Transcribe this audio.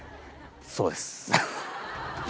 そうです。